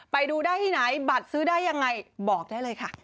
ไปดูได้ที่ไหนบัตรซื้อได้ยังไงบอกได้เลยค่ะ